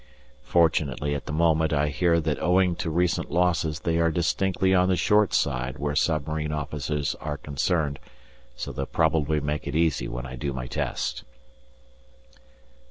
Fortunately at the moment I hear that owing to recent losses they are distinctly on the short side where submarine officers are concerned, so they'll probably make it easy when I do my test.